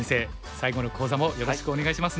最後の講座もよろしくお願いしますね。